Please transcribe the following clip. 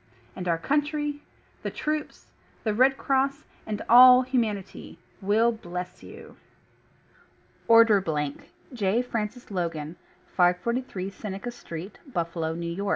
And our Country, the Troops, the Red Cross, and all humanity ,will BLESS YOU. ORDER BLANK J. FRANCIS LOGAN, 543 Seneca Street, Buffalo, N. Y.